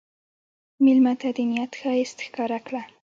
مېلمه ته د نیت ښایست ښکاره کړه.